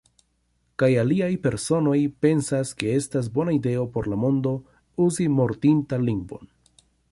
Kaj aliaj personoj pensas ke estas bona ideo por la mondo, uzi mortintan lingvon.